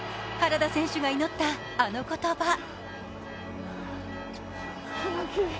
原田選手が祈った、あの言葉。